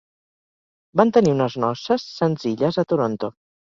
Van tenir unes noces senzilles a Toronto.